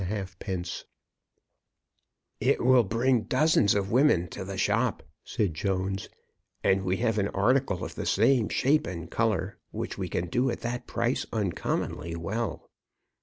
_ "It will bring dozens of women to the shop," said Jones, "and we have an article of the same shape and colour, which we can do at that price uncommonly well."